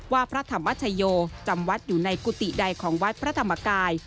พระธรรมชโยจำวัดอยู่ในกุฏิใดของวัดพระธรรมกาย